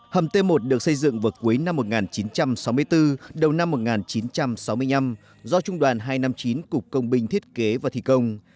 hầm t một được xây dựng vào cuối năm một nghìn chín trăm sáu mươi bốn đầu năm một nghìn chín trăm sáu mươi năm do trung đoàn hai trăm năm mươi chín cục công binh thiết kế và thi công